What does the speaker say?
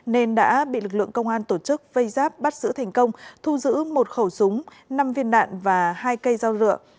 nên đã bị lực lượng công an tổ chức vây giáp bắt giữ thành công thu giữ một khẩu súng năm viên đạn và hai cây dao rượu